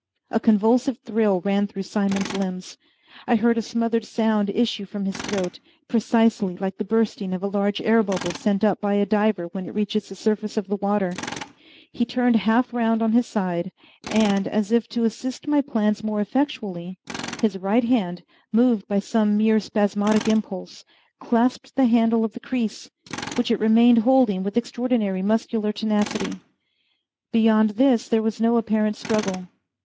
A convulsive thrill ran through Simon's limbs. I heard a smothered sound issue from his throat, precisely like the bursting of a large air bubble sent up by a diver when it reaches the surface of the water; he turned half round on his side, and, as if to assist my plans more effectually, his right hand, moved by some mere spasmodic impulse, clasped the handle of the creese, which it remained holding with extraordinary muscular tenacity. Beyond this there was no apparent struggle.